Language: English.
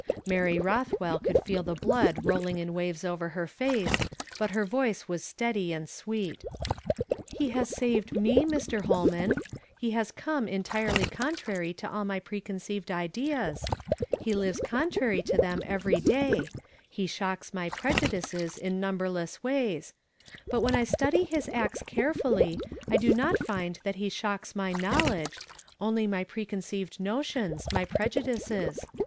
Mary Rothwell could feel the blood rolling in waves over her face, but her voice was steady and sweet. " He has saved me, Mr. Holman. He has come entirely contrary to all my preconceived ideas ; he lives contrary to them every day : he shocks my prejudices in numberless ways ; but when I study his acts carefully, I do not find that he shocks my knowledge, only my preconceived notions, my prejudices.